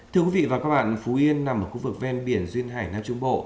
thưa quý vị và các bạn phú yên nằm ở khu vực ven biển duyên hải nam trung bộ